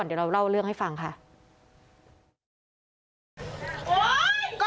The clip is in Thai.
เฮ้ยเว้ยมาเดี๋ยวหล้อมหวานมาเร็ว